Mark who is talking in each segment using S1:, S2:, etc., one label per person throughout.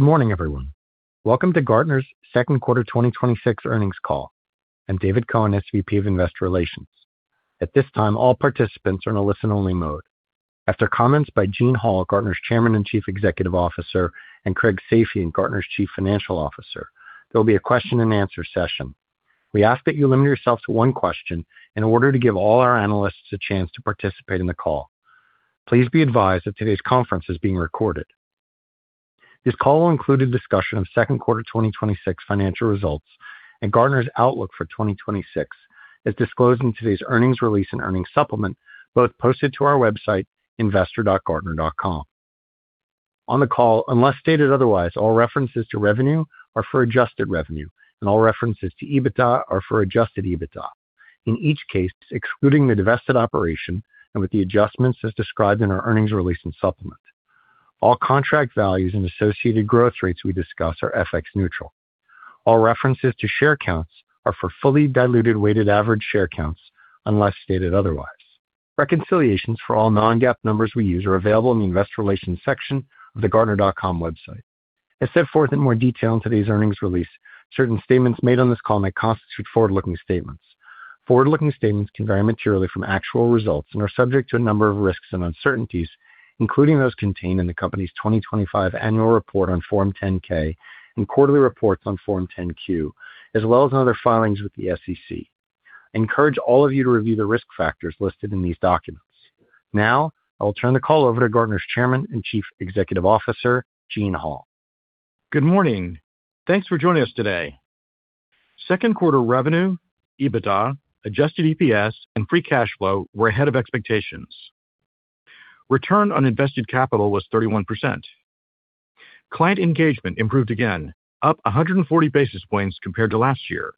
S1: Good morning, everyone. Welcome to Gartner's second quarter 2026 earnings call. I'm David Cohen, SVP of Investor Relations. At this time, all participants are in a listen-only mode. After comments by Gene Hall, Gartner's Chairman and Chief Executive Officer, and Craig Safian, Gartner's Chief Financial Officer, there'll be a question-and-answer session. We ask that you limit yourself to one question in order to give all our analysts a chance to participate in the call. Please be advised that today's conference is being recorded. This call will include a discussion of second quarter 2026 financial results and Gartner's outlook for 2026, as disclosed in today's earnings release and earnings supplement, both posted to our website, investor.gartner.com. On the call, unless stated otherwise, all references to revenue are for adjusted revenue, and all references to EBITDA are for adjusted EBITDA. In each case, excluding the divested operation and with the adjustments as described in our earnings release and supplement. All contract values and associated growth rates we discuss are FX neutral. All references to share counts are for fully diluted weighted average share counts unless stated otherwise. Reconciliations for all non-GAAP numbers we use are available in the investor relations section of the gartner.com website. As set forth in more detail in today's earnings release, certain statements made on this call may constitute forward-looking statements. Forward-looking statements can vary materially from actual results and are subject to a number of risks and uncertainties, including those contained in the company's 2025 annual report on Form 10-K and quarterly reports on Form 10-Q, as well as in other filings with the SEC. I encourage all of you to review the risk factors listed in these documents. Now, I will turn the call over to Gartner's Chairman and Chief Executive Officer, Gene Hall.
S2: Good morning. Thanks for joining us today. Second quarter revenue, EBITDA, adjusted EPS, and free cash flow were ahead of expectations. Return on invested capital was 31%. Client engagement improved again, up 140 basis points compared to last year.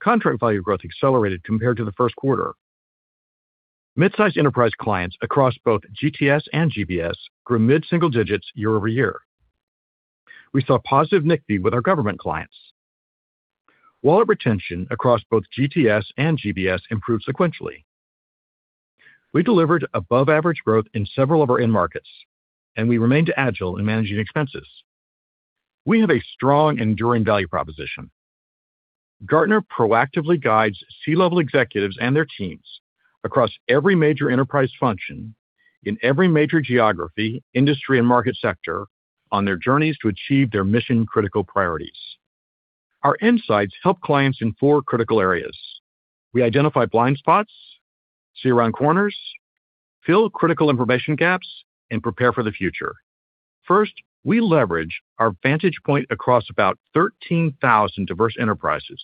S2: Contract value growth accelerated compared to the first quarter. Mid-size enterprise clients across both GTS and GBS grew mid single-digits year-over-year. We saw positive NCVI with our government clients. Wallet retention across both GTS and GBS improved sequentially. We delivered above-average growth in several of our end markets, we remained agile in managing expenses. We have a strong enduring value proposition. Gartner proactively guides C-level executives and their teams across every major enterprise function in every major geography, industry, and market sector on their journeys to achieve their mission-critical priorities. Our insights help clients in four critical areas. We identify blind spots, see around corners, fill critical information gaps, and prepare for the future. First, we leverage our vantage point across about 13,000 diverse enterprises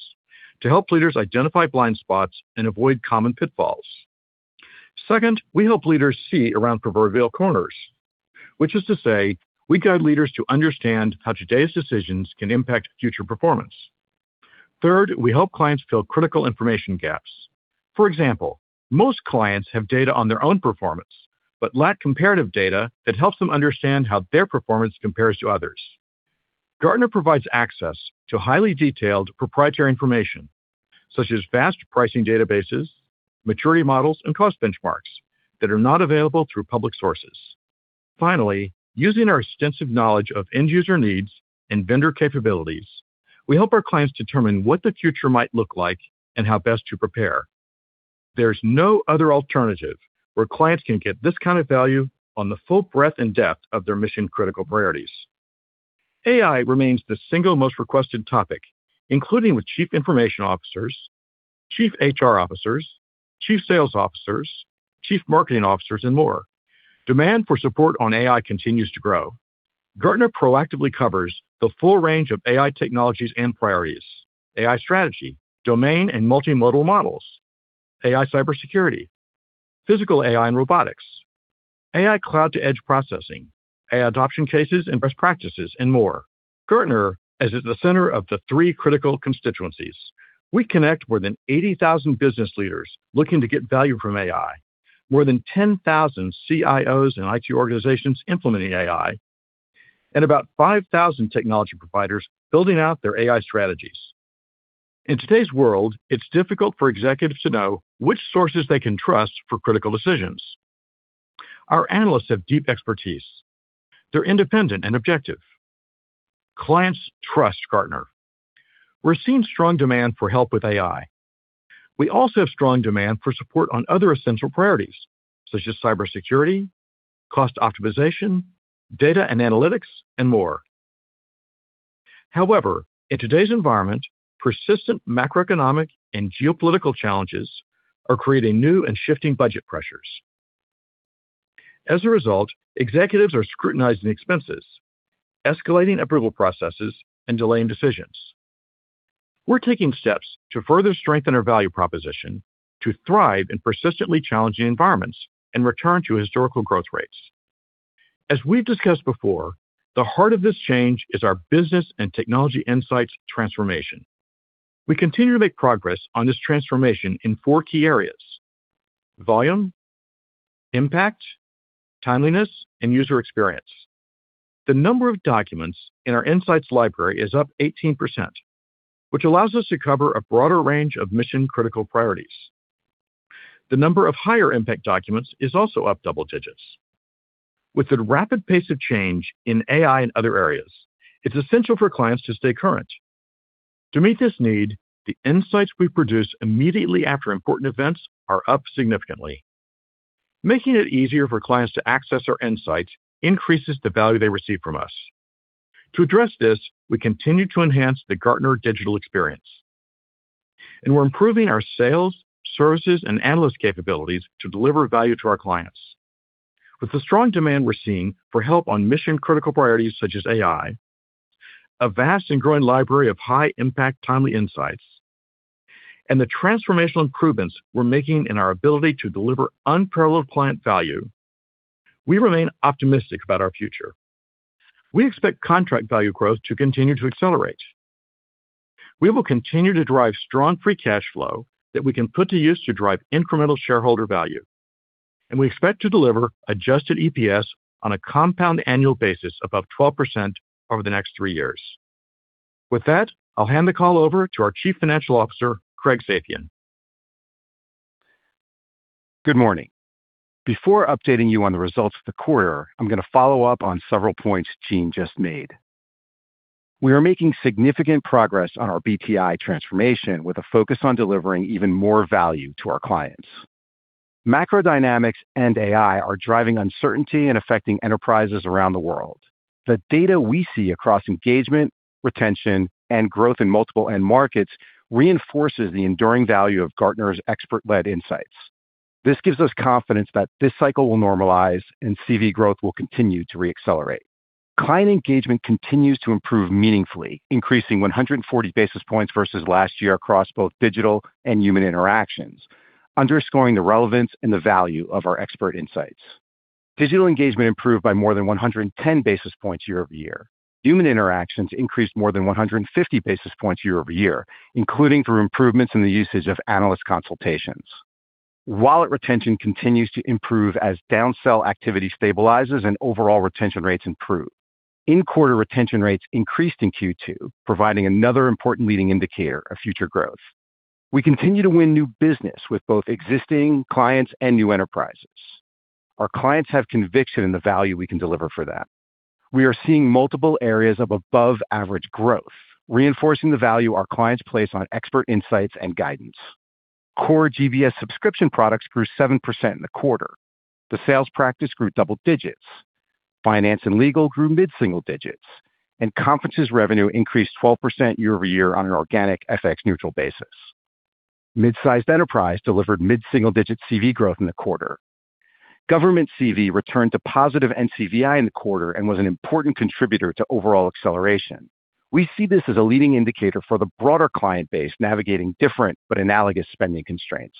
S2: to help leaders identify blind spots and avoid common pitfalls. Second, we help leaders see around proverbial corners. We guide leaders to understand how today's decisions can impact future performance. Third, we help clients fill critical information gaps. For example, most clients have data on their own performance but lack comparative data that helps them understand how their performance compares to others. Gartner provides access to highly detailed proprietary information, such as fast pricing databases, maturity models, and cost benchmarks that are not available through public sources. Finally, using our extensive knowledge of end-user needs and vendor capabilities, we help our clients determine what the future might look like and how best to prepare. There's no other alternative where clients can get this kind of value on the full breadth and depth of their mission-critical priorities. AI remains the single most requested topic, including with Chief Information Officers, Chief HR Officers, Chief Sales Officers, Chief Marketing Officers, and more. Demand for support on AI continues to grow. Gartner proactively covers the full range of AI technologies and priorities, AI strategy, domain and multimodal models, AI cybersecurity, physical AI and robotics, AI cloud to edge processing, AI adoption cases, and best practices, and more. Gartner is at the center of the three critical constituencies. We connect more than 80,000 business leaders looking to get value from AI, more than 10,000 CIOs and IT organizations implementing AI, and about 5,000 technology providers building out their AI strategies. In today's world, it's difficult for executives to know which sources they can trust for critical decisions. Our analysts have deep expertise. They're independent and objective. Clients trust Gartner. We're seeing strong demand for help with AI. We also have strong demand for support on other essential priorities, such as cybersecurity, cost optimization, data and analytics, and more. In today's environment, persistent macroeconomic and geopolitical challenges are creating new and shifting budget pressures. As a result, executives are scrutinizing expenses, escalating approval processes, and delaying decisions. We're taking steps to further strengthen our value proposition to thrive in persistently challenging environments and return to historical growth rates. As we've discussed before, the heart of this change is our Business and Technology Insights transformation. We continue to make progress on this transformation in four key areas: volume, impact, timeliness, and user experience. The number of documents in our Insights library is up 18%, which allows us to cover a broader range of mission-critical priorities. The number of higher-impact documents is also up double digits. With the rapid pace of change in AI and other areas, it's essential for clients to stay current. To meet this need, the insights we produce immediately after important events are up significantly. Making it easier for clients to access our insights increases the value they receive from us. To address this, we continue to enhance the Gartner digital experience, and we're improving our sales, services and analyst capabilities to deliver value to our clients. With the strong demand we're seeing for help on mission-critical priorities such as AI, a vast and growing library of high-impact, timely insights, and the transformational improvements we're making in our ability to deliver unparalleled client value, we remain optimistic about our future. We expect contract value growth to continue to accelerate. We will continue to drive strong free cash flow that we can put to use to drive incremental shareholder value. We expect to deliver adjusted EPS on a compound annual basis above 12% over the next three years. With that, I'll hand the call over to our Chief Financial Officer, Craig Safian.
S3: Good morning. Before updating you on the results of the quarter, I'm going to follow up on several points Gene just made. We are making significant progress on our BTI transformation with a focus on delivering even more value to our clients. Macro dynamics and AI are driving uncertainty and affecting enterprises around the world. The data we see across engagement, retention, and growth in multiple end markets reinforces the enduring value of Gartner's expert-led insights. This gives us confidence that this cycle will normalize and CV growth will continue to re-accelerate. Client engagement continues to improve meaningfully, increasing 140 basis points versus last year across both digital and human interactions, underscoring the relevance and the value of our expert insights. Digital engagement improved by more than 110 basis points year-over-year. Human interactions increased more than 150 basis points year-over-year, including through improvements in the usage of analyst consultations. Wallet retention continues to improve as down-sell activity stabilizes and overall retention rates improve. In-quarter retention rates increased in Q2, providing another important leading indicator of future growth. We continue to win new business with both existing clients and new enterprises. Our clients have conviction in the value we can deliver for them. We are seeing multiple areas of above-average growth, reinforcing the value our clients place on expert insights and guidance. Core GBS subscription products grew 7% in the quarter. The sales practice grew double-digits. Finance and legal grew mid single-digits. Conferences revenue increased 12% year-over-year on an organic FX-neutral basis. Mid-sized enterprise delivered mid single-digit CV growth in the quarter. Government CV returned to positive NCVI in the quarter and was an important contributor to overall acceleration. We see this as a leading indicator for the broader client base navigating different but analogous spending constraints.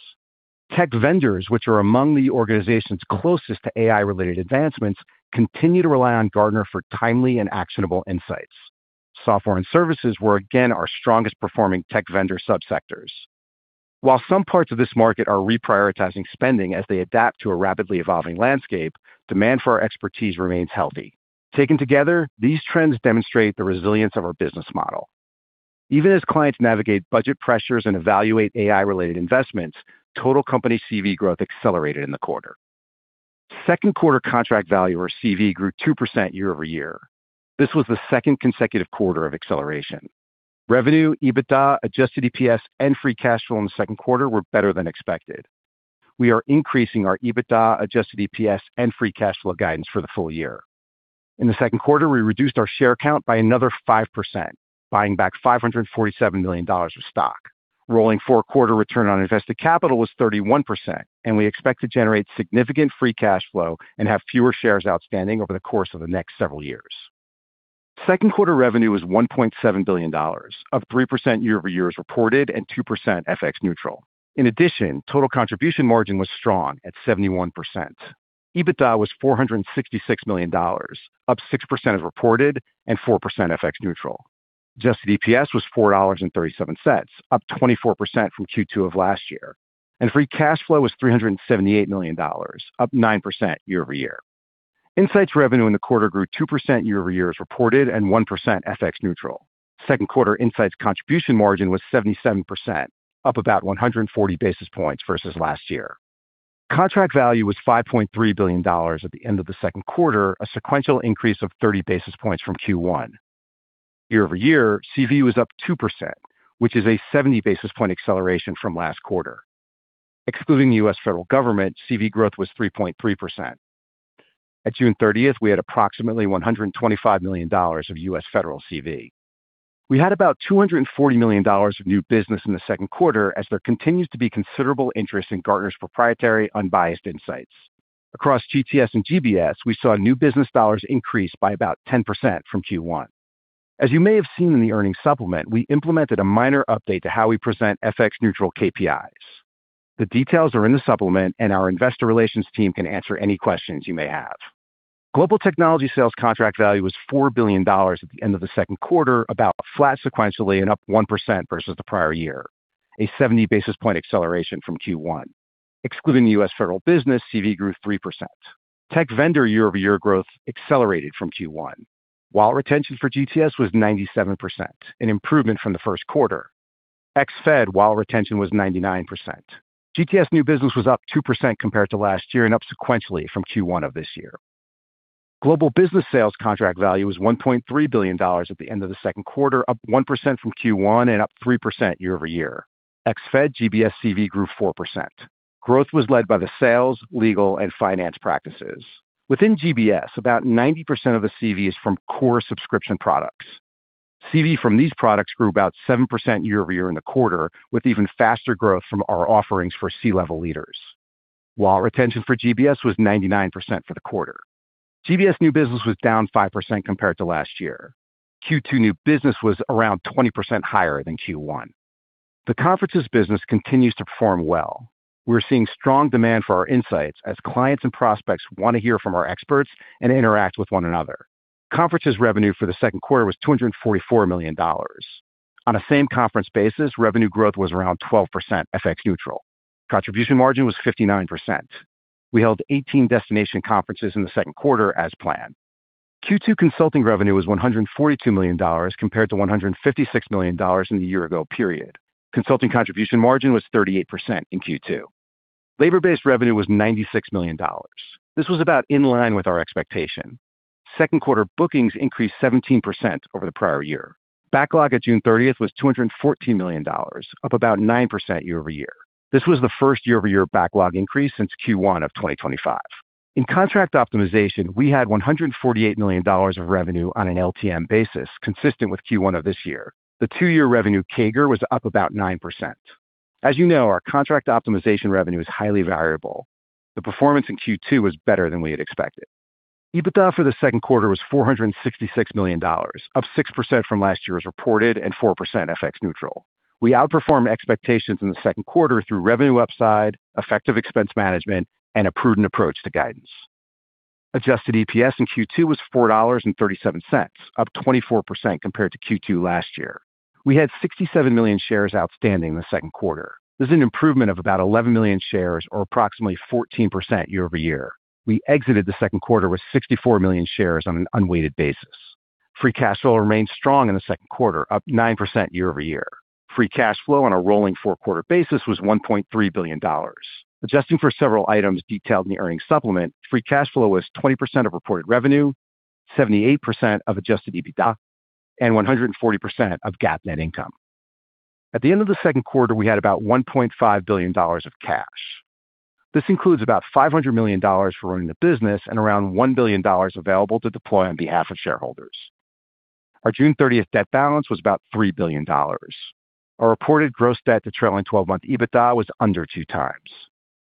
S3: Tech vendors, which are among the organizations closest to AI-related advancements, continue to rely on Gartner for timely and actionable insights. Software and services were again our strongest-performing tech vendor subsectors. While some parts of this market are reprioritizing spending as they adapt to a rapidly evolving landscape, demand for our expertise remains healthy. Taken together, these trends demonstrate the resilience of our business model. Even as clients navigate budget pressures and evaluate AI-related investments, total company CV growth accelerated in the quarter. Second quarter contract value, or CV, grew 2% year-over-year. This was the second consecutive quarter of acceleration. Revenue, EBITDA, adjusted EPS and free cash flow in the second quarter were better than expected. We are increasing our EBITDA, adjusted EPS and free cash flow guidance for the full year. In the second quarter, we reduced our share count by another 5%, buying back $547 million of stock. Rolling four-quarter return on invested capital was 31%, and we expect to generate significant free cash flow and have fewer shares outstanding over the course of the next several years. Second quarter revenue was $1.7 billion, up 3% year-over-year as reported and 2% FX neutral. In addition, total contribution margin was strong at 71%. EBITDA was $466 million, up 6% as reported and 4% FX neutral. Adjusted EPS was $4.37, up 24% from Q2 of last year. Free cash flow was $378 million, up 9% year-over-year. Insights revenue in the quarter grew 2% year-over-year as reported and 1% FX neutral. Second quarter Insights contribution margin was 77%, up about 140 basis points versus last year. Contract value was $5.3 billion at the end of the second quarter, a sequential increase of 30 basis points from Q1. Year-over-year, CV was up 2%, which is a 70 basis point acceleration from last quarter. Excluding the US federal government, CV growth was 3.3%. At June 30th, we had approximately $125 million of U.S. Federal CV. We had about $240 million of new business in the second quarter as there continues to be considerable interest in Gartner's proprietary unbiased Insights. Across GTS and GBS, we saw new business dollars increase by about 10% from Q1. As you may have seen in the earnings supplement, we implemented a minor update to how we present FX neutral KPIs. The details are in the supplement, our investor relations team can answer any questions you may have. Global Technology Sales contract value was $4 billion at the end of the second quarter, about flat sequentially and up 1% versus the prior year, a 70 basis point acceleration from Q1. Excluding the U.S. Federal business, CV grew 3%. Tech vendor year-over-year growth accelerated from Q1. While retention for GTS was 97%, an improvement from the first quarter. Ex-Fed, while retention was 99%. GTS new business was up 2% compared to last year and up sequentially from Q1 of this year. Global Business Sales contract value was $1.3 billion at the end of the second quarter, up 1% from Q1 and up 3% year-over-year. Ex-Fed GBS CV grew 4%. Growth was led by the sales, legal, and finance practices. Within GBS, about 90% of the CV is from core subscription products. CV from these products grew about 7% year-over-year in the quarter, with even faster growth from our offerings for C-level leaders. While retention for GBS was 99% for the quarter. GBS new business was down 5% compared to last year. Q2 new business was around 20% higher than Q1. The Conferences business continues to perform well. We're seeing strong demand for our Insights as clients and prospects want to hear from our experts and interact with one another. Conferences revenue for the second quarter was $244 million. On a same conference basis, revenue growth was around 12% FX neutral. Contribution margin was 59%. We held 18 destination Conferences in the second quarter as planned. Q2 Consulting revenue was $142 million, compared to $156 million in the year-ago period. Consulting contribution margin was 38% in Q2. Labor-based revenue was $96 million. This was about in line with our expectation. Second quarter bookings increased 17% over the prior year. Backlog at June 30th was $214 million, up about 9% year-over-year. This was the first year-over-year backlog increase since Q1 of 2025. In contract optimization, we had $148 million of revenue on an LTM basis, consistent with Q1 of this year. The two-year revenue CAGR was up about 9%. As you know, our contract optimization revenue is highly variable. The performance in Q2 was better than we had expected. EBITDA for the second quarter was $466 million, up 6% from last year as reported and 4% FX neutral. We outperformed expectations in the second quarter through revenue upside, effective expense management, and a prudent approach to guidance. Adjusted EPS in Q2 was $4.37, up 24% compared to Q2 last year. We had 67 million shares outstanding in the second quarter. This is an improvement of about 11 million shares or approximately 14% year-over-year. We exited the second quarter with 64 million shares on an unweighted basis. Free cash flow remained strong in the second quarter, up 9% year-over-year. Free cash flow on a rolling four-quarter basis was $1.3 billion. Adjusting for several items detailed in the earnings supplement, free cash flow was 20% of reported revenue, 78% of adjusted EBITDA, and 140% of GAAP net income. At the end of the second quarter, we had about $1.5 billion of cash. This includes about $500 million for running the business and around $1 billion available to deploy on behalf of shareholders. Our June 30th debt balance was about $3 billion. Our reported gross debt to trailing 12-month EBITDA was under 2x.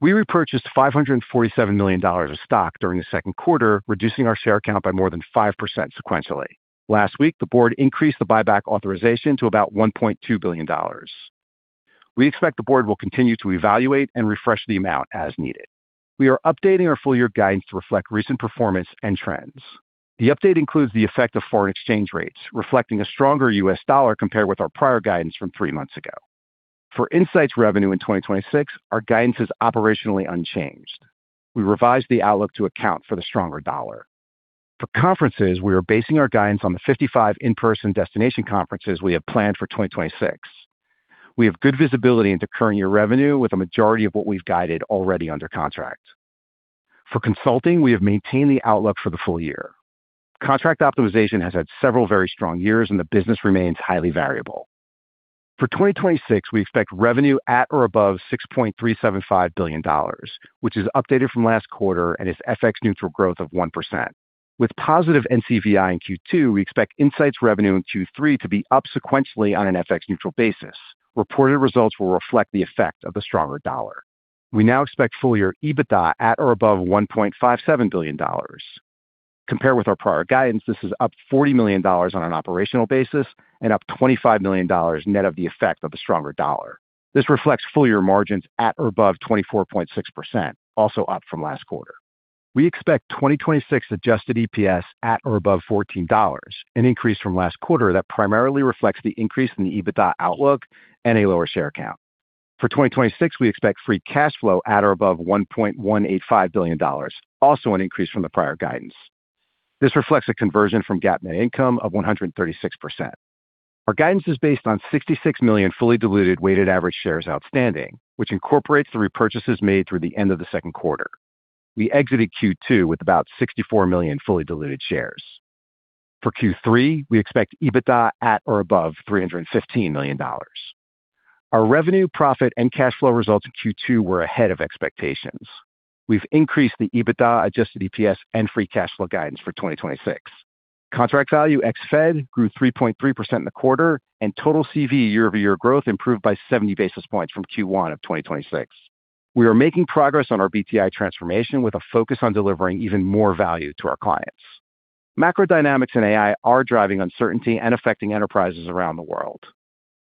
S3: We repurchased $547 million of stock during the second quarter, reducing our share count by more than 5% sequentially. Last week, the board increased the buyback authorization to about $1.2 billion. We expect the board will continue to evaluate and refresh the amount as needed. We are updating our full year guidance to reflect recent performance and trends. The update includes the effect of foreign exchange rates, reflecting a stronger U.S. dollar compared with our prior guidance from three months ago. For Insights revenue in 2026, our guidance is operationally unchanged. We revised the outlook to account for the stronger dollar. For Conferences, we are basing our guidance on the 55 in-person destination Conferences we have planned for 2026. We have good visibility into current year revenue, with a majority of what we've guided already under contract. For Consulting, we have maintained the outlook for the full year. Contract optimization has had several very strong years. The business remains highly variable. For 2026, we expect revenue at or above $6.375 billion, which is updated from last quarter and is FX neutral growth of 1%. With positive NCVI in Q2, we expect Insights revenue in Q3 to be up sequentially on an FX neutral basis. Reported results will reflect the effect of the stronger dollar. We now expect full year EBITDA at or above $1.57 billion. Compared with our prior guidance, this is up $40 million on an operational basis and up $25 million net of the effect of a stronger dollar. This reflects full year margins at or above 24.6%, also up from last quarter. We expect 2026 adjusted EPS at or above $14, an increase from last quarter that primarily reflects the increase in the EBITDA outlook and a lower share count. For 2026, we expect free cash flow at or above $1.185 billion, also an increase from the prior guidance. This reflects a conversion from GAAP net income of 136%. Our guidance is based on 66 million fully diluted weighted average shares outstanding, which incorporates the repurchases made through the end of the second quarter. We exited Q2 with about 64 million fully diluted shares. For Q3, we expect EBITDA at or above $315 million. Our revenue, profit, and cash flow results in Q2 were ahead of expectations. We've increased the EBITDA, adjusted EPS, and free cash flow guidance for 2026. Contract value ex-Fed grew 3.3% in the quarter, and total CV year-over-year growth improved by 70 basis points from Q1 of 2026. We are making progress on our BTI transformation with a focus on delivering even more value to our clients. Macro dynamics and AI are driving uncertainty and affecting enterprises around the world.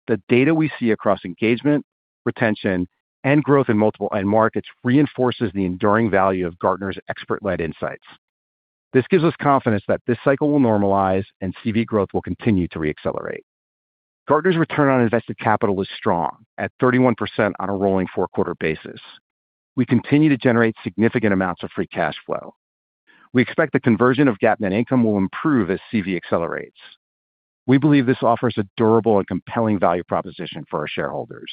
S3: The data we see across engagement, retention, and growth in multiple end markets reinforces the enduring value of Gartner's expert-led Insights. This gives us confidence that this cycle will normalize and CV growth will continue to re-accelerate. Gartner's return on invested capital is strong at 31% on a rolling four-quarter basis. We continue to generate significant amounts of free cash flow. We expect the conversion of GAAP net income will improve as CV accelerates. We believe this offers a durable and compelling value proposition for our shareholders.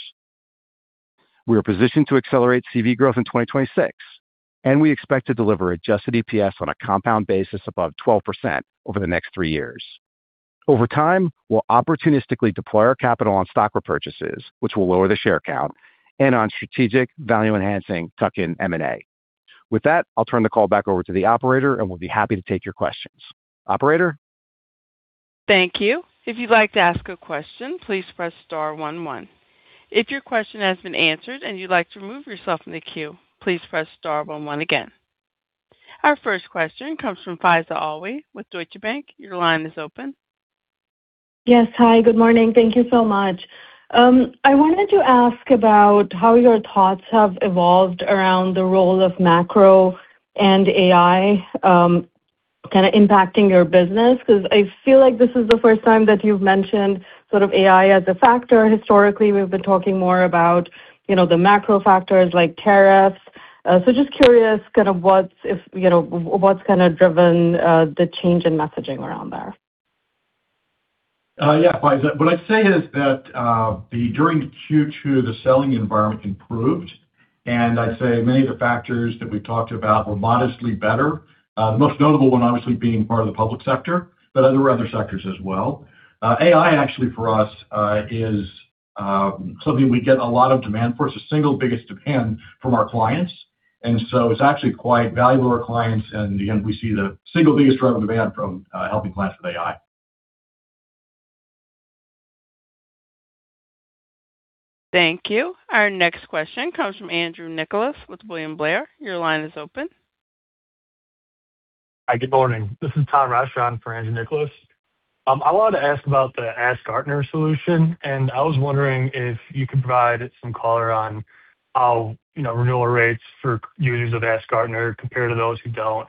S3: We are positioned to accelerate CV growth in 2026, and we expect to deliver adjusted EPS on a compound basis above 12% over the next three years. Over time, we'll opportunistically deploy our capital on stock repurchases, which will lower the share count, and on strategic value-enhancing tuck-in M&A. With that, I'll turn the call back over to the operator, and we'll be happy to take your questions. Operator?
S4: Thank you. If you'd like to ask a question, please press star one one. If your question has been answered and you'd like to remove yourself from the queue, please press star one one again. Our first question comes from Faiza Alwy with Deutsche Bank. Your line is open.
S5: Yes. Hi, good morning. Thank you so much. I wanted to ask about how your thoughts have evolved around the role of macro and AI kind of impacting your business, because I feel like this is the first time that you've mentioned sort of AI as a factor. Historically, we've been talking more about the macro factors like tariffs. Just curious, what's kind of driven the change in messaging around there?
S2: Yeah. Faiza, what I'd say is that during Q2, the selling environment improved, and I'd say many of the factors that we talked about were modestly better. The most notable one obviously being part of the public sector, but other sectors as well. AI actually for us is something we get a lot of demand for. It's the single biggest demand from our clients, it's actually quite valuable to our clients. Again, we see the single biggest driver of demand from helping clients with AI.
S4: Thank you. Our next question comes from Andrew Nicholas with William Blair. Your line is open.
S6: Hi, good morning. This is Tom Rush in for Andrew Nicholas. I wanted to ask about the AskGartner solution, I was wondering if you could provide some color on how renewal rates for users of AskGartner compare to those who don't,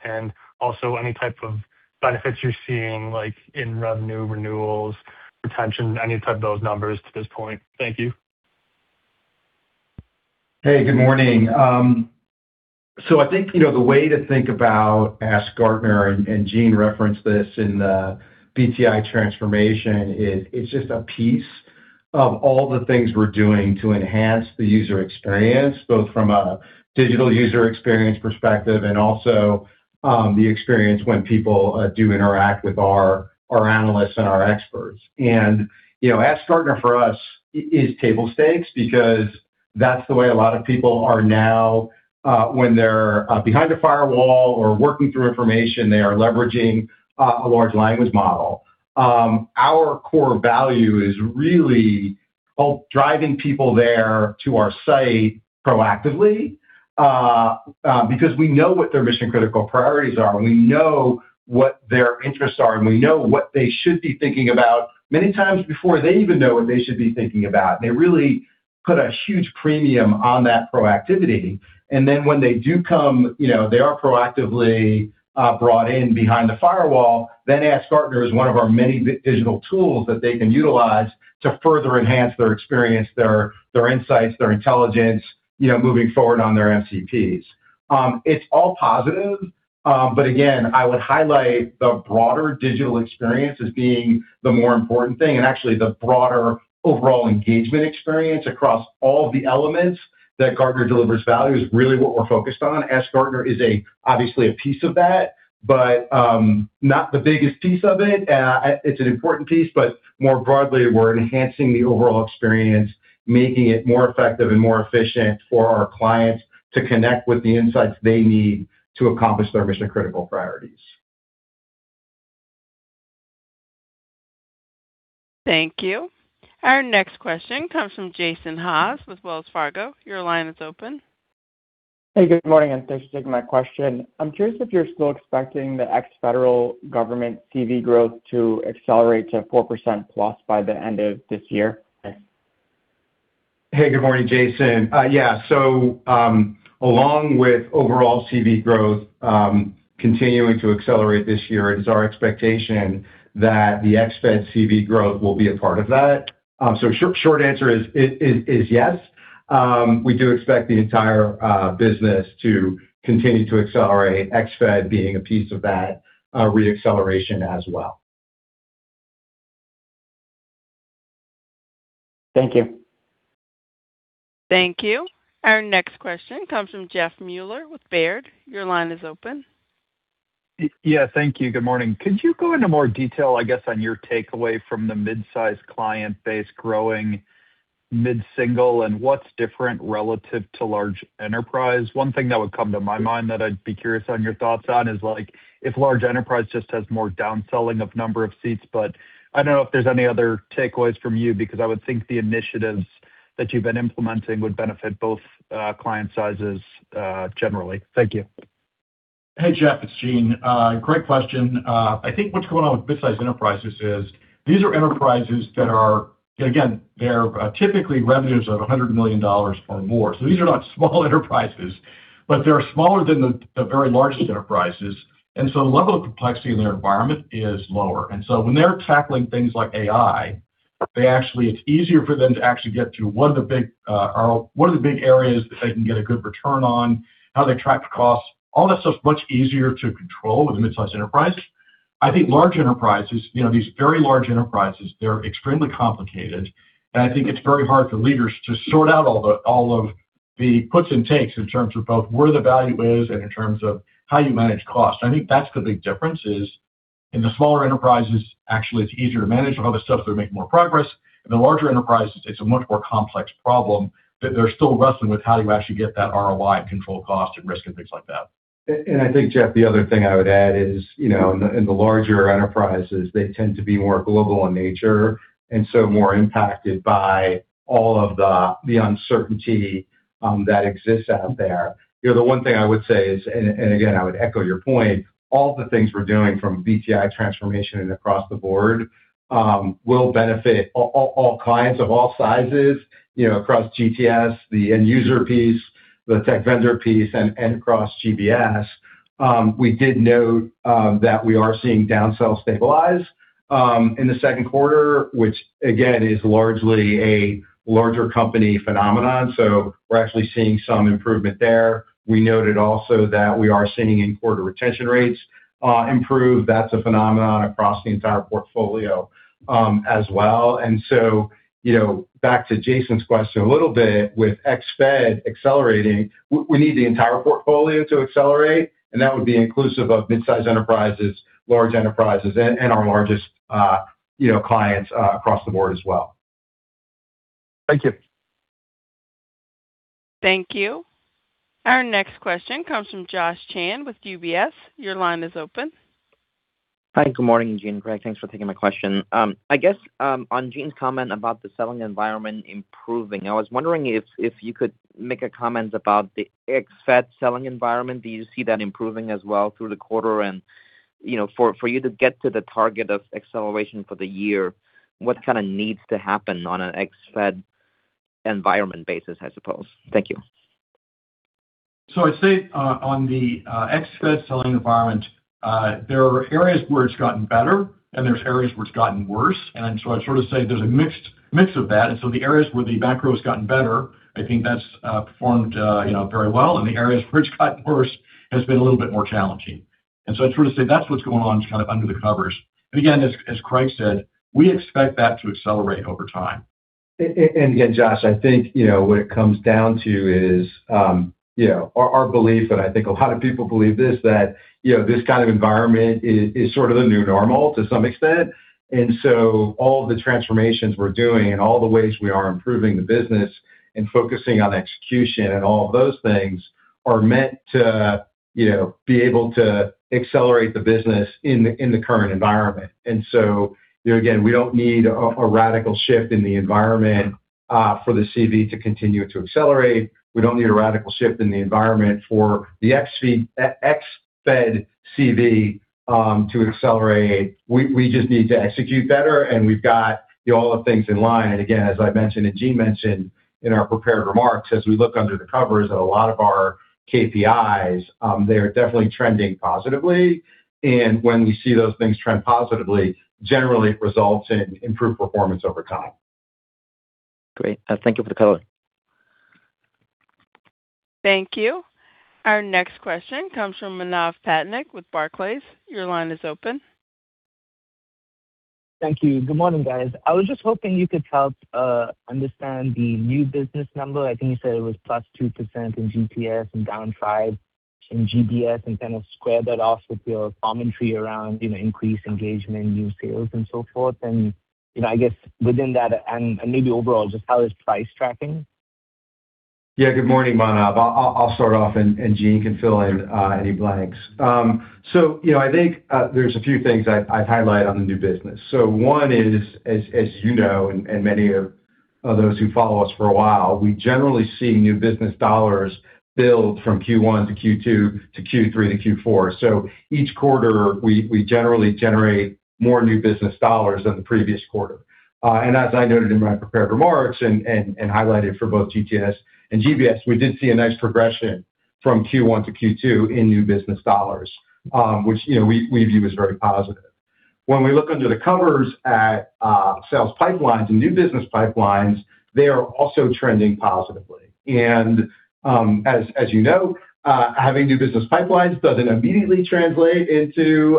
S6: also any type of benefits you're seeing, like in revenue, renewals, retention, any of those numbers to this point. Thank you.
S3: Hey, good morning. I think the way to think about AskGartner, and Gene referenced this in the BTI transformation, is it is just a piece of all the things we are doing to enhance the user experience, both from a digital user experience perspective and also the experience when people do interact with our analysts and our experts. AskGartner for us is table stakes because that is the way a lot of people are now when they are behind a firewall or working through information, they are leveraging a large language model. Our core value is really both driving people there to our site proactively because we know what their mission-critical priorities are, and we know what their interests are, and we know what they should be thinking about many times before they even know what they should be thinking about. They really put a huge premium on that proactivity. When they do come, they are proactively brought in behind the firewall. Then AskGartner is one of our many digital tools that they can utilize to further enhance their experience, their insights, their intelligence moving forward on their MCPs. It is all positive. Again, I would highlight the broader digital experience as being the more important thing and actually the broader overall engagement experience across all the elements that Gartner delivers value is really what we are focused on. AskGartner is obviously a piece of that, but not the biggest piece of it. It is an important piece, but more broadly, we are enhancing the overall experience, making it more effective and more efficient for our clients to connect with the insights they need to accomplish their mission-critical priorities.
S4: Thank you. Our next question comes from Jason Haas with Wells Fargo. Your line is open.
S7: Hey, good morning, and thanks for taking my question. I am curious if you are still expecting the ex federal government CV growth to accelerate to 4%+ by the end of this year.
S3: Hey, good morning, Jason. Yeah. Along with overall CV growth continuing to accelerate this year, it is our expectation that the ex-Fed CV growth will be a part of that. Short answer is yes. We do expect the entire business to continue to accelerate, ex-Fed being a piece of that re-acceleration as well.
S7: Thank you.
S4: Thank you. Our next question comes from Jeff Meuler with Baird. Your line is open.
S8: Yeah. Thank you. Good morning. Could you go into more detail, I guess, on your takeaway from the midsize client base growing mid-single and what's different relative to large enterprise? One thing that would come to my mind that I'd be curious on your thoughts on is if large enterprise just has more downselling of number of seats. I don't know if there's any other takeaways from you because I would think the initiatives that you've been implementing would benefit both client sizes generally. Thank you.
S2: Hey, Jeff, it's Gene. Great question. I think what's going on with midsize enterprises is these are enterprises that are, again, they're typically revenues of $100 million or more. These are not small enterprises, but they're smaller than the very largest enterprises, the level of complexity in their environment is lower. When they're tackling things like AI It's easier for them to actually get to what are the big areas that they can get a good return on, how they track costs. All that stuff's much easier to control with a midsize enterprise. I think large enterprises, these very large enterprises, they're extremely complicated. I think it's very hard for leaders to sort out all of the puts and takes in terms of both where the value is and in terms of how you manage cost. I think that's the big difference is, in the smaller enterprises, actually, it's easier to manage all the stuff they're making more progress. In the larger enterprises, it's a much more complex problem that they're still wrestling with how you actually get that ROI and control cost and risk and things like that.
S3: I think, Jeff, the other thing I would add is, in the larger enterprises, they tend to be more global in nature, more impacted by all of the uncertainty that exists out there. The one thing I would say is, again, I would echo your point, all the things we're doing from BTI transformation and across the board, will benefit all clients of all sizes, across GTS, the end user piece, the tech vendor piece, and across GBS. We did note that we are seeing down sell stabilize in the 2Q, which again, is largely a larger company phenomenon. We're actually seeing some improvement there. We noted also that we are seeing in-quarter retention rates improve. That's a phenomenon across the entire portfolio as well. Back to Jason's question a little bit, with ex-Fed accelerating, we need the entire portfolio to accelerate, and that would be inclusive of mid-size enterprises, large enterprises, and our largest clients across the board as well.
S8: Thank you.
S4: Thank you. Our next question comes from Josh Chan with UBS. Your line is open.
S9: Hi. Good morning, Gene, Craig. Thanks for taking my question. I guess, on Gene's comment about the selling environment improving, I was wondering if you could make a comment about the ex-Fed selling environment. Do you see that improving as well through the quarter and, for you to get to the target of acceleration for the year, what kind of needs to happen on an ex-Fed environment basis, I suppose? Thank you.
S2: I'd say, on the ex-Fed selling environment, there are areas where it's gotten better and there's areas where it's gotten worse. I'd say there's a mix of that. The areas where the macro has gotten better, I think that's performed very well, and the areas where it's gotten worse has been a little bit more challenging. I'd say that's what's going on kind of under the covers. Again, as Craig said, we expect that to accelerate over time.
S3: Josh, I think what it comes down to is, our belief, and I think a lot of people believe this, that this kind of environment is sort of the new normal to some extent. All the transformations we're doing and all the ways we are improving the business and focusing on execution and all of those things are meant to be able to accelerate the business in the current environment. Again, we don't need a radical shift in the environment, for the CV to continue to accelerate. We don't need a radical shift in the environment for the ex-U.S. Federal CV, to accelerate. We just need to execute better, and we've got all the things in line. Again, as I've mentioned and Gene mentioned in our prepared remarks, as we look under the covers at a lot of our KPIs, they are definitely trending positively. When we see those things trend positively, generally it results in improved performance over time.
S9: Great. Thank you for the color.
S4: Thank you. Our next question comes from Manav Patnaik with Barclays. Your line is open.
S10: Thank you. Good morning, guys. I was just hoping you could help understand the new business number. I think you said it was +2% in GTS and down 5% in GBS, kind of square that off with your commentary around increased engagement, new sales, and so forth. I guess within that and maybe overall, just how is price tracking?
S3: Yeah. Good morning, Manav. I'll start off, Gene can fill in any blanks. I think there's a few things I'd highlight on the new business. One is, as you know, and many of those who follow us for a while, we generally see new business dollars build from Q1 to Q2 to Q3 to Q4. Each quarter, we generally generate more new business dollars than the previous quarter. As I noted in my prepared remarks and highlighted for both GTS and GBS, we did see a nice progression from Q1 to Q2 in new business dollars, which we view as very positive. When we look under the covers at sales pipelines and new business pipelines, they are also trending positively. As you know, having new business pipelines doesn't immediately translate into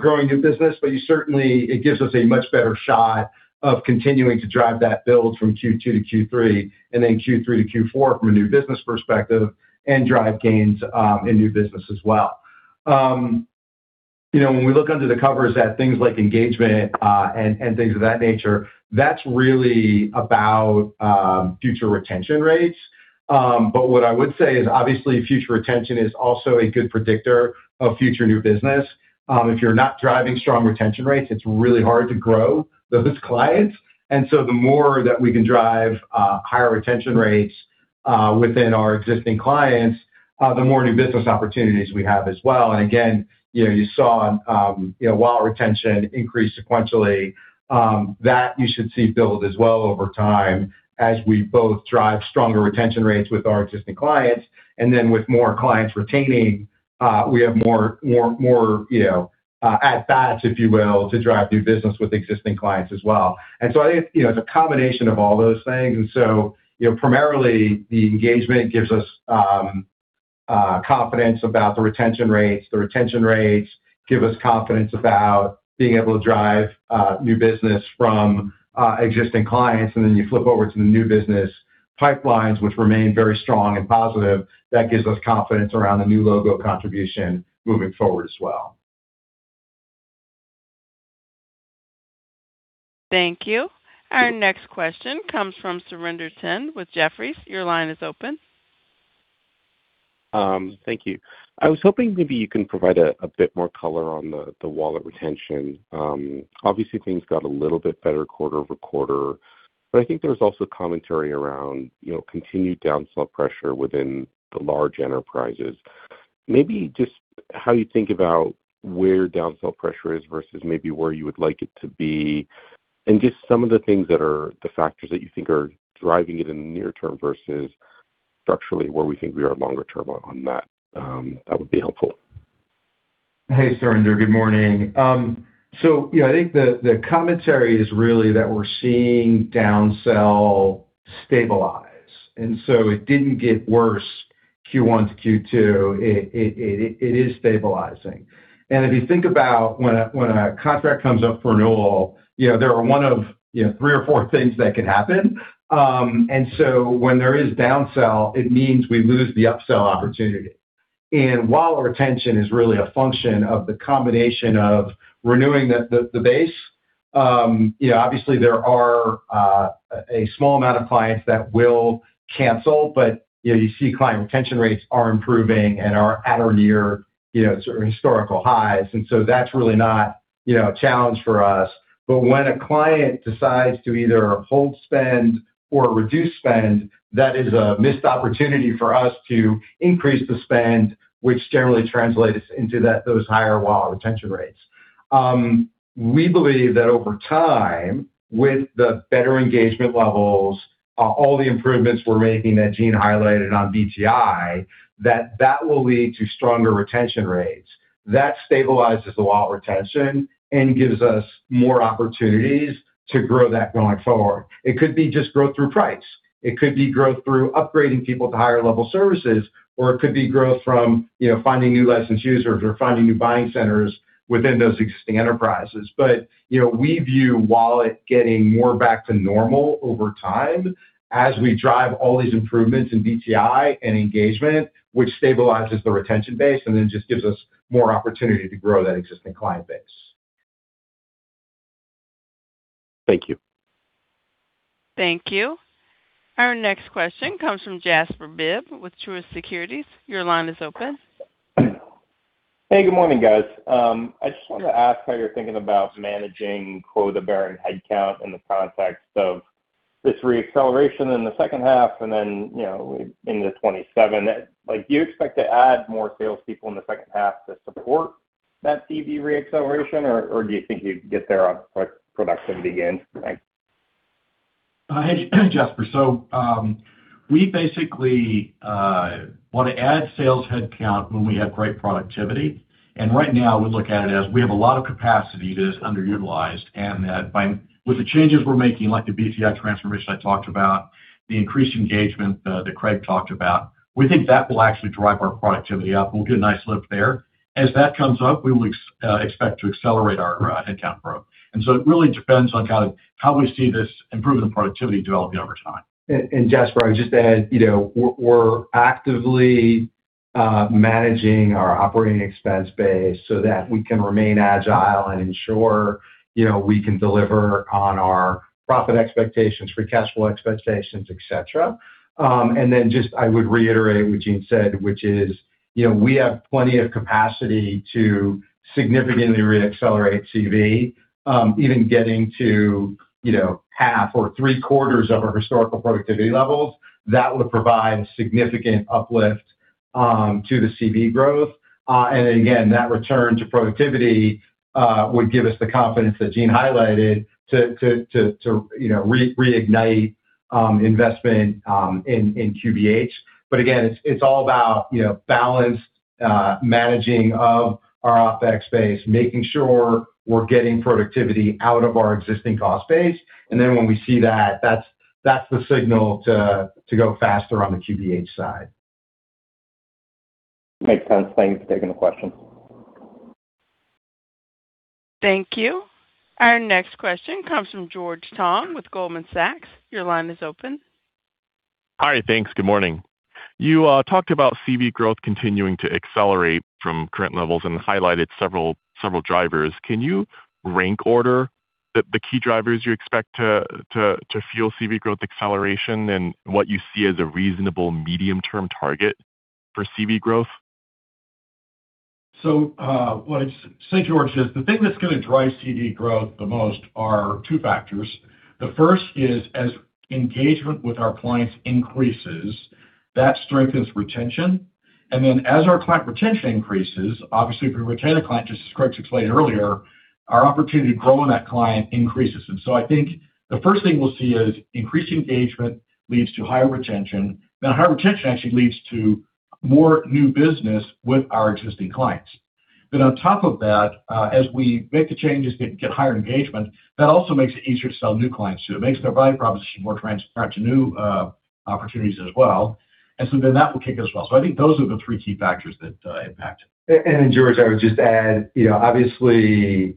S3: growing new business, but certainly it gives us a much better shot of continuing to drive that build from Q2 to Q3 and then Q3 to Q4 from a new business perspective and drive gains in new business as well. When we look under the covers at things like engagement, and things of that nature, that's really about future retention rates. What I would say is obviously future retention is also a good predictor of future new business. If you're not driving strong retention rates, it's really hard to grow those clients. The more that we can drive higher retention rates within our existing clients, the more new business opportunities we have as well. Again, you saw while retention increased sequentially, that you should see build as well over time as we both drive stronger retention rates with our existing clients, and then with more clients retaining, we have more at-bats, if you will, to drive new business with existing clients as well. I think it's a combination of all those things. Primarily the engagement gives us confidence about the retention rates. The retention rates give us confidence about being able to drive new business from existing clients. Then you flip over to the new business pipelines, which remain very strong and positive. That gives us confidence around a new logo contribution moving forward as well.
S4: Thank you. Our next question comes from Surinder Thind with Jefferies. Your line is open.
S11: Thank you. I was hoping maybe you can provide a bit more color on the wallet retention. Obviously, things got a little bit better quarter-over-quarter, but I think there was also commentary around continued down-sell pressure within the large enterprises. Maybe just how you think about where down-sell pressure is versus maybe where you would like it to be and just some of the things that are the factors that you think are driving it in the near term versus structurally, where we think we are longer term on that. That would be helpful.
S3: Hey, Surinder, good morning. I think the commentary is really that we're seeing down-sell stabilize, and so it didn't get worse Q1 to Q2. It is stabilizing. And if you think about when a contract comes up for renewal, there are one of three or four things that can happen. And so when there is down-sell, it means we lose the up-sell opportunity. And while our retention is really a function of the combination of renewing the base, obviously there are a small amount of clients that will cancel. But you see client retention rates are improving and are at or near certain historical highs. And so that's really not a challenge for us. But when a client decides to either hold spend or reduce spend, that is a missed opportunity for us to increase the spend, which generally translates into those higher wallet retention rates. We believe that over time, with the better engagement levels, all the improvements we're making that Gene highlighted on BTI, that will lead to stronger retention rates. That stabilizes the wallet retention and gives us more opportunities to grow that going forward. It could be just growth through price, it could be growth through upgrading people to higher level services, or it could be growth from finding new licensed users or finding new buying centers within those existing enterprises. But we view wallet getting more back to normal over time as we drive all these improvements in BTI and engagement, which stabilizes the retention base and then just gives us more opportunity to grow that existing client base.
S11: Thank you.
S4: Thank you. Our next question comes from Jasper Bibb with Truist Securities. Your line is open.
S12: Hey, good morning, guys. I just wanted to ask how you're thinking about managing quota-bearing headcount in the context of this re-acceleration in the second half and then into 2027. Do you expect to add more salespeople in the second half to support that CV re-acceleration, or do you think you'd get there on productivity gains? Thanks.
S2: Jasper, we basically want to add sales headcount when we have great productivity. Right now we look at it as we have a lot of capacity that is underutilized, and that with the changes we're making, like the BTI transformation I talked about, the increased engagement that Craig talked about, we think that will actually drive our productivity up, and we'll get a nice lift there. As that comes up, we will expect to accelerate our headcount growth. It really depends on how we see this improvement in productivity developing over time.
S3: Jasper, I'd just add, we're actively managing our operating expense base so that we can remain agile and ensure we can deliver on our profit expectations, free cash flow expectations, et cetera. Then just, I would reiterate what Gene said, which is we have plenty of capacity to significantly re-accelerate CV. Even getting to half or three-quarters of our historical productivity levels, that would provide significant uplift to the CV growth. Again, that return to productivity would give us the confidence that Gene highlighted to reignite investment in QBH. Again, it's all about balanced managing of our OpEx space, making sure we're getting productivity out of our existing cost base. Then when we see that's the signal to go faster on the QBH side.
S12: Makes sense. Thanks. Taking the question.
S4: Thank you. Our next question comes from George Tong with Goldman Sachs. Your line is open.
S13: Hi. Thanks. Good morning. You talked about CV growth continuing to accelerate from current levels and highlighted several drivers. Can you rank order the key drivers you expect to fuel CV growth acceleration and what you see as a reasonable medium-term target for CV growth?
S2: What I'd say, George, is the thing that's going to drive CV growth the most are two factors. The first is as engagement with our clients increases, that strengthens retention. As our client retention increases, obviously, if we retain a client, just as Craig explained earlier, our opportunity to grow in that client increases. I think the first thing we'll see is increased engagement leads to higher retention. Higher retention actually leads to more new business with our existing clients. On top of that, as we make the changes, get higher engagement, that also makes it easier to sell new clients too. It makes their value proposition more transparent to new opportunities as well. That will kick as well. I think those are the three key factors that impact.
S3: George, I would just add, obviously, in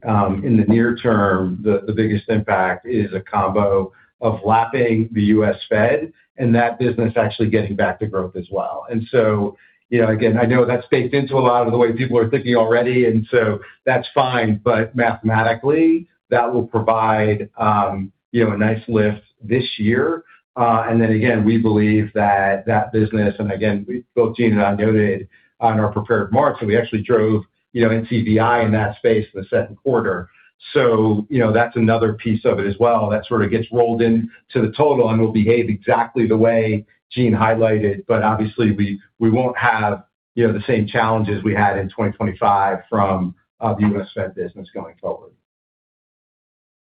S3: the near term, the biggest impact is a combo of lapping the U.S. Federal and that business actually getting back to growth as well. Again, I know that's baked into a lot of the way people are thinking already, and so that's fine. Mathematically, that will provide a nice lift this year. Again, we believe that that business, and again, both Gene and I noted on our prepared remarks that we actually drove NCVI in that space in the second quarter. That's another piece of it as well that sort of gets rolled into the total and will behave exactly the way Gene highlighted. Obviously, we won't have the same challenges we had in 2025 from the U.S. Federal business going forward.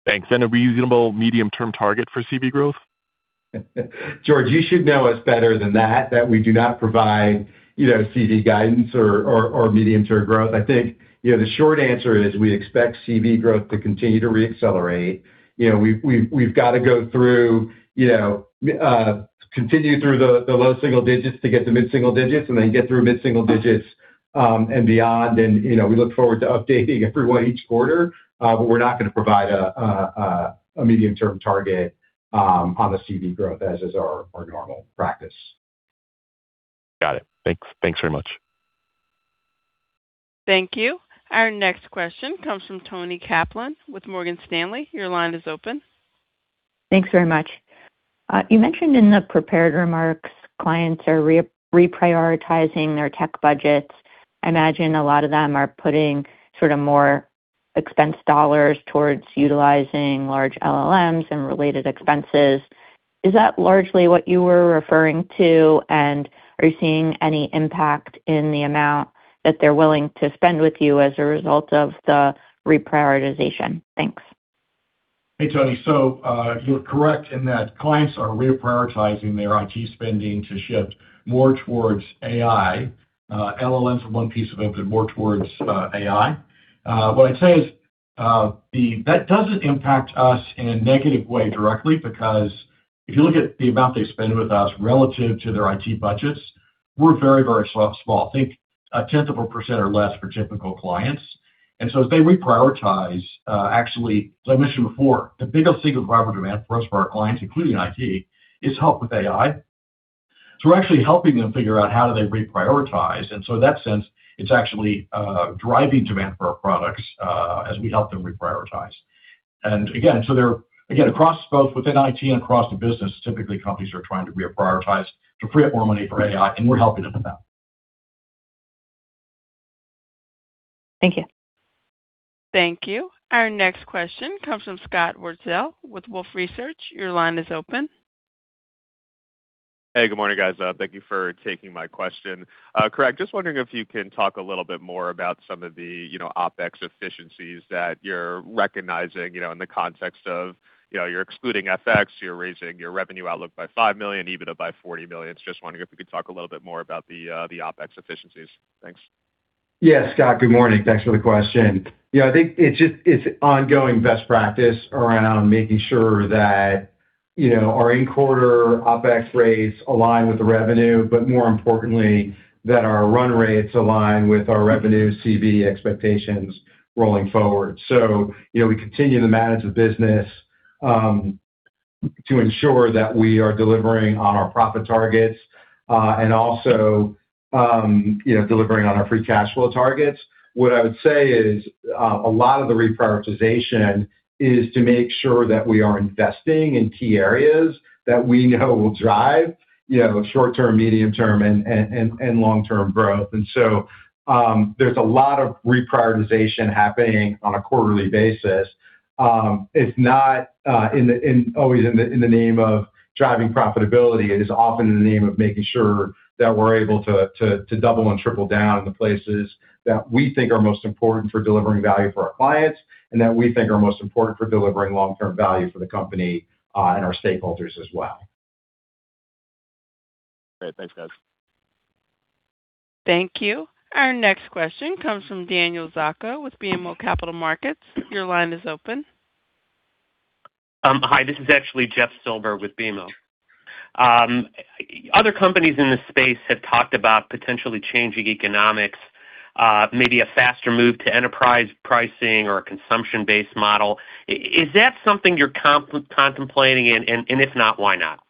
S13: Thanks. A reasonable medium-term target for CV growth?
S3: George, you should know us better than that we do not provide CV guidance or medium-term growth. I think the short answer is we expect CV growth to continue to re-accelerate. We've got to continue through the low single-digits to get to mid single-digits, and then get through mid single-digits, and beyond. We look forward to updating everyone each quarter, but we're not going to provide a medium-term target on the CV growth as is our normal practice.
S13: Got it. Thanks very much.
S4: Thank you. Our next question comes from Toni Kaplan with Morgan Stanley. Your line is open.
S14: Thanks very much. You mentioned in the prepared remarks, clients are reprioritizing their tech budgets. I imagine a lot of them are putting more expense dollars towards utilizing large LLMs and related expenses. Is that largely what you were referring to? Are you seeing any impact in the amount that they're willing to spend with you as a result of the reprioritization? Thanks.
S2: Hey, Toni. You're correct in that clients are reprioritizing their IT spending to shift more towards AI. LLM is one piece of it, but more towards AI. What I'd say is that doesn't impact us in a negative way directly, because if you look at the amount they spend with us relative to their IT budgets, we're very small. Think a tenth of a percent or less for typical clients. As they reprioritize, actually, as I mentioned before, the biggest single driver demand for us for our clients, including IT, is help with AI. We're actually helping them figure out how do they reprioritize. In that sense, it's actually driving demand for our products as we help them reprioritize. Again, across both within IT and across the business, typically, companies are trying to reprioritize to free up more money for AI, and we're helping them with that.
S14: Thank you.
S4: Thank you. Our next question comes from Scott Wurtzel with Wolfe Research. Your line is open.
S15: Hey, good morning, guys. Thank you for taking my question. Craig, just wondering if you can talk a little bit more about some of the OpEx efficiencies that you're recognizing in the context of you're excluding FX, you're raising your revenue outlook by $5 million, even up by $40 million. Just wondering if you could talk a little bit more about the OpEx efficiencies. Thanks.
S3: Scott, good morning. Thanks for the question. I think it's ongoing best practice around making sure that our in-quarter OpEx rates align with the revenue, but more importantly, that our run rates align with our revenue CV expectations rolling forward. We continue to manage the business to ensure that we are delivering on our profit targets, and also delivering on our free cash flow targets. What I would say is a lot of the reprioritization is to make sure that we are investing in key areas that we know will drive short-term, medium-term, and long-term growth. There's a lot of reprioritization happening on a quarterly basis. It's not always in the name of driving profitability. It is often in the name of making sure that we're able to double and triple down in the places that we think are most important for delivering value for our clients, and that we think are most important for delivering long-term value for the company, and our stakeholders as well.
S15: Great. Thanks, guys.
S4: Thank you. Our next question comes from Daniel Zocco with BMO Capital Markets. Your line is open.
S16: Hi, this is actually Jeff Silber with BMO. Other companies in this space have talked about potentially changing economics, maybe a faster move to enterprise pricing or a consumption-based model. Is that something you're contemplating? If not, why not?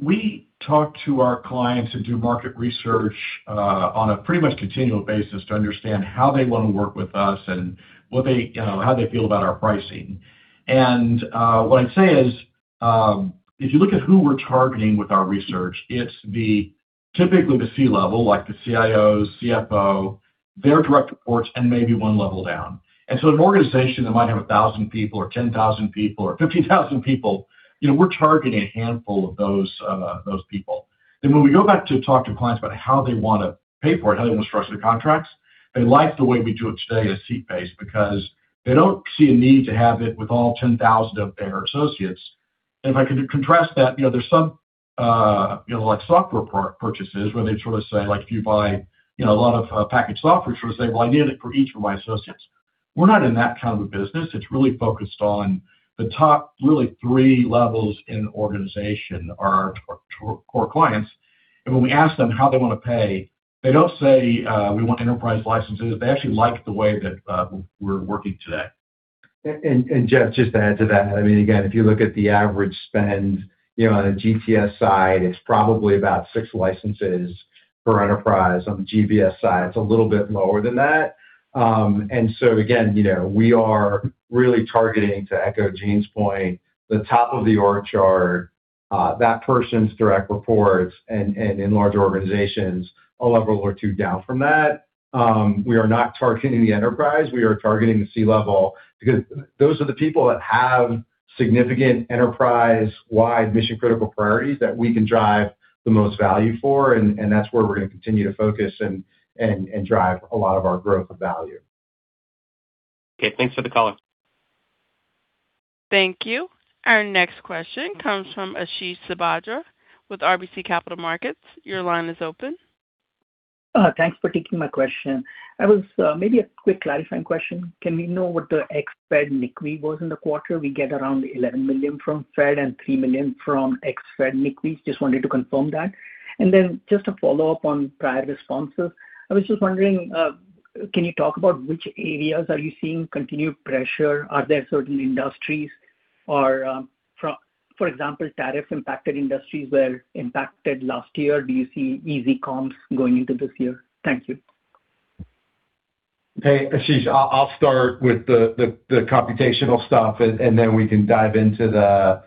S2: We talk to our clients and do market research on a pretty much continual basis to understand how they want to work with us and how they feel about our pricing. What I'd say is if you look at who we're targeting with our research, it's typically the C-level, like the CIOs, CFO, their direct reports, and maybe one level down. An organization that might have 1,000 people or 10,000 people or 15,000 people, we're targeting a handful of those people. When we go back to talk to clients about how they want to pay for it, how they want to structure their contracts, they like the way we do it today as seat-based because they don't see a need to have it with all 10,000 of their associates. If I could contrast that, there's some software purchases where they'd say, if you buy a lot of packaged software, you say, well, I need it for each of my associates. We're not in that kind of a business. It's really focused on the top really three levels in the organization, our core clients. When we ask them how they want to pay, they don't say, we want enterprise licenses. They actually like the way that we're working today.
S3: Jeff, just to add to that, again, if you look at the average spend on the GTS side, it's probably about six licenses per enterprise. On the GBS side, it's a little bit lower than that. Again, we are really targeting, to echo Gene's point, the top of the org chart, that person's direct reports, and in larger organizations, a level or two down from that. We are not targeting the enterprise. We are targeting the C-level, because those are the people that have significant enterprise-wide mission-critical priorities that we can drive the most value for, that's where we're going to continue to focus and drive a lot of our growth of value.
S16: Okay, thanks for the color.
S4: Thank you. Our next question comes from Ashish Sabadra with RBC Capital Markets. Your line is open.
S17: Thanks for taking my question. Maybe a quick clarifying question. Can we know what the ex-Fed NCVI was in the quarter? We get around $11 million from fed and $3 million from ex-Fed NCVI. Just wanted to confirm that. Just a follow-up on prior responses. I was just wondering, can you talk about which areas are you seeing continued pressure? Are there certain industries or, for example, tariff-impacted industries were impacted last year. Do you see easy comps going into this year? Thank you.
S3: Hey, Ashish. I'll start with the computational stuff, then we can dive into the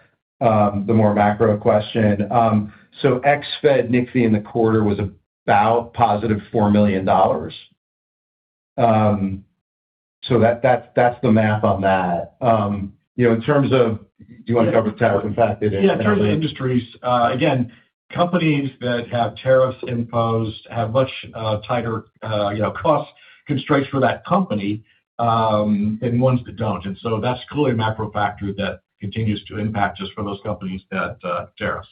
S3: more macro question. Ex-Fed NCVI in the quarter was about positive $4 million. That's the math on that. Do you want to cover tariff-impacted?
S2: Yeah. In terms of industries, again, companies that have tariffs imposed have much tighter cost constraints for that company than ones that don't. That's clearly a macro factor that continues to impact just for those companies that, tariffs.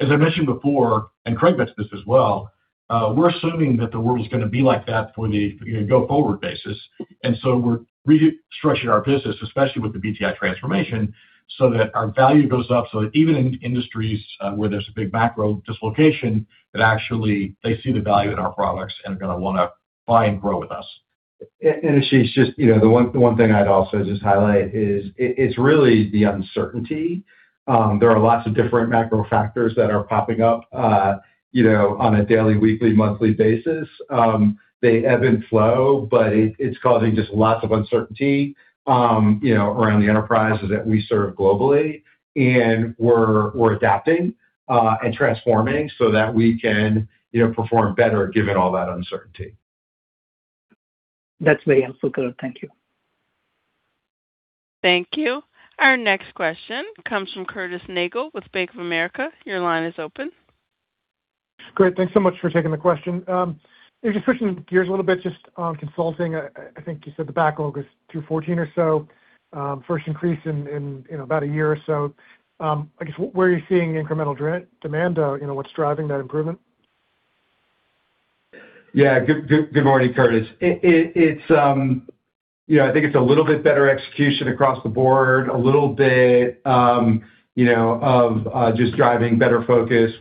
S2: As I mentioned before, Craig mentioned this as well, we're assuming that the world is going to be like that for the go forward basis. We're restructuring our business, especially with the BTI transformation, so that our value goes up, so that even in industries where there's a big macro dislocation, that actually they see the value in our products and are going to want to buy and grow with us.
S3: Ashish, just the one thing I'd also just highlight is it's really the uncertainty. There are lots of different macro factors that are popping up on a daily, weekly, monthly basis. They ebb and flow, but it's causing just lots of uncertainty around the enterprises that we serve globally. We're adapting and transforming so that we can perform better given all that uncertainty.
S17: That's very helpful, color. Thank you.
S4: Thank you. Our next question comes from Curtis Nagle with Bank of America. Your line is open.
S18: Thanks so much for taking the question. Switching gears a little bit, on Consulting, I think you said the backlog is $214 or so, first increase in about a year or so. I guess, where are you seeing incremental demand? What's driving that improvement?
S3: Good morning, Curtis. I think it's a little bit better execution across the board, a little bit of just driving better focus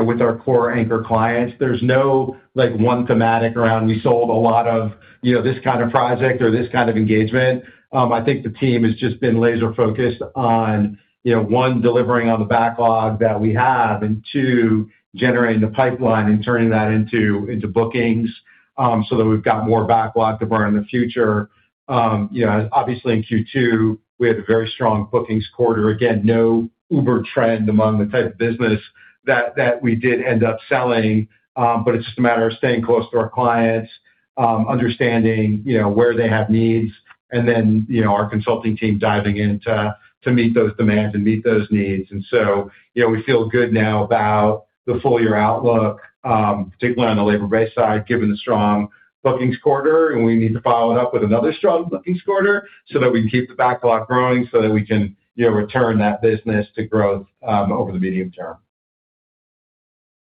S3: with our core anchor clients. There's no one thematic around, we sold a lot of this kind of project or this kind of engagement. I think the team has just been laser-focused on, one, delivering on the backlog that we have, and two, generating the pipeline and turning that into bookings so that we've got more backlog to burn in the future. Obviously, in Q2, we had a very strong bookings quarter. Again, no Uber trend among the type of business that we did end up selling. It's just a matter of staying close to our clients, understanding where they have needs, and then our Consulting team diving in to meet those demands and meet those needs. We feel good now about the full-year outlook, particularly on the labor base side, given the strong bookings quarter. We need to follow it up with another strong bookings quarter so that we can keep the backlog growing so that we can return that business to growth over the medium term.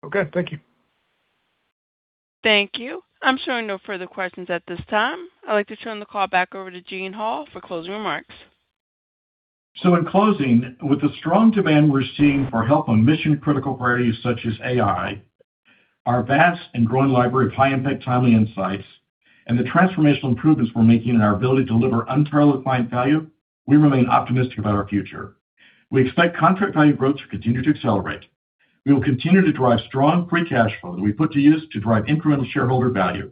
S18: Okay. Thank you.
S4: Thank you. I'm showing no further questions at this time. I'd like to turn the call back over to Gene Hall for closing remarks.
S2: In closing, with the strong demand we're seeing for help on mission-critical priorities such as AI, our vast and growing library of high-impact, timely insights, and the transformational improvements we're making in our ability to deliver unparalleled client value, we remain optimistic about our future. We expect contract value growth to continue to accelerate. We will continue to drive strong free cash flow that we put to use to drive incremental shareholder value.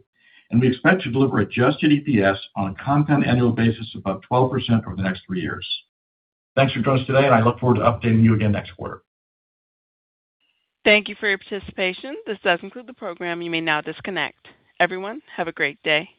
S2: We expect to deliver adjusted EPS on a compound annual basis above 12% over the next three years. Thanks for joining us today, and I look forward to updating you again next quarter.
S4: Thank you for your participation. This does conclude the program. You may now disconnect. Everyone, have a great day.